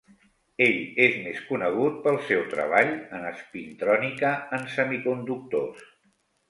Ell és més conegut pel seu treball en espintrònica en semiconductors.